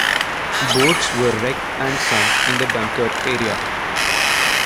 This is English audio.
Boats were wrecked and sunk in the Dunkirk area.